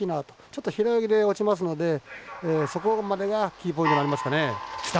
ちょっと平泳ぎで落ちますのでそこまでがキーポイントになりますかね。